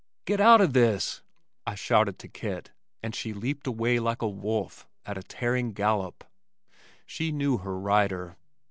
"Get out o' this!" I shouted to Kit, and she leaped away like a wolf, at a tearing gallop. She knew her rider.